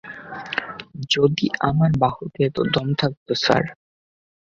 যদি আমার বাহুতে এতো দম থাকতো, স্যার।